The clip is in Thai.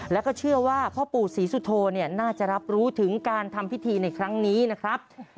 แล้วก็เชื่อว่าพ่อปู่ศรีสุโธน่าจะรับรู้ถึงการทำพิธีในครั้งนี้นะครับ